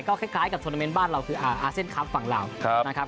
ก็คล้ายกับธุรกิจบ้านเราคืออาเซนครัฟต์ฝั่งล่าวนะครับ